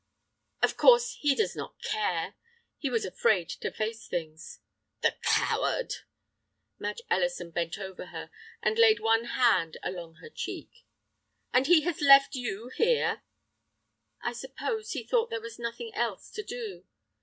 "Of course—he does not care. He was afraid to face things." "The coward!" Madge Ellison bent over her, and laid one hand along her cheek. "And he has left you here?" "I suppose he thought there was nothing else to do.